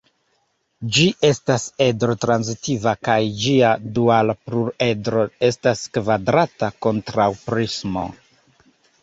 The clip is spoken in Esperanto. Ĝi estas edro-transitiva kaj ĝia duala pluredro estas kvadrata kontraŭprismo.